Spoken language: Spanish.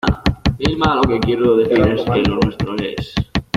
Vilma, lo que quiero decir es que lo nuestro es